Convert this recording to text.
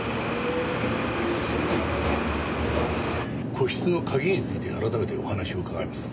個室の鍵について改めてお話を伺います。